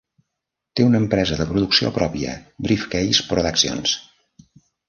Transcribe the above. Té una empresa de producció pròpia, Briefcase Productions.